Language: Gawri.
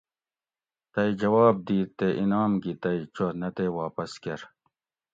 تئ جواب دِیت تے انعام گی تئ چو نہ تے واپس کۤر